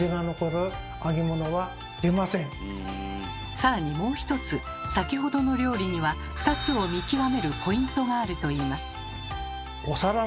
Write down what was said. さらにもう一つ先ほどの料理には２つを見極めるポイントがあるといいます。